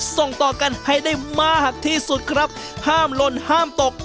ส่งต่อกันให้ได้มากที่สุดครับห้ามลนห้ามตก